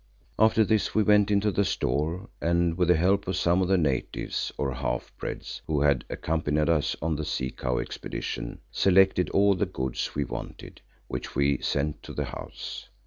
After this we went into the Store and with the help of some of the natives, or half breeds, who had accompanied us on the sea cow expedition, selected all the goods we wanted, which we sent to the house.